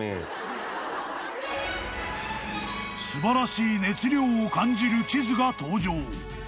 ［素晴らしい熱量を感じる地図が登場］